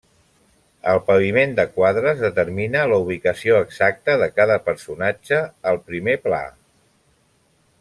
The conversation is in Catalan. El paviment de quadres, determina la ubicació exacta de cada personatge al primer pla.